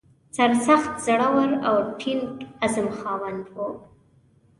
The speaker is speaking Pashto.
سرسخت، زړه ور او د ټینګ عزم خاوند و.